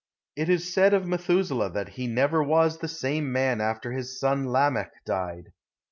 It is said of Methuselah that he never was the same man after his son Lamech died.